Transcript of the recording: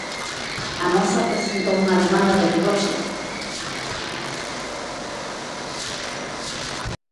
A moza presentou unha demanda de divorcio.